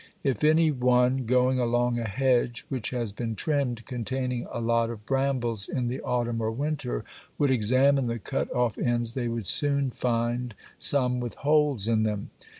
If any one, going along a hedge which has been trimmed, containing a lot of brambles, in the autumn or winter, would examine the cut off ends they would soon find some with holes in them.